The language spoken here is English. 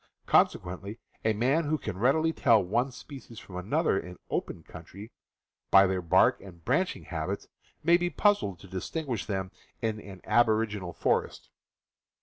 Consequently a man who can readily tell one species from another, in open country, by their bark and branching habits, may be puzzled to distinguish them in aboriginal for FOREST TRAVEL 189 est.